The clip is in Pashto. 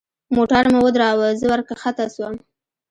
موټر مو ودراوه زه وركښته سوم.